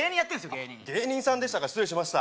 芸人芸人さんでしたか失礼しました